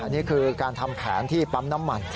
นี่คือการทำแผนที่ปั๊มน้ำมัน